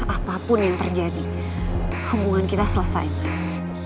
apapun yang terjadi hubungan kita selesai mas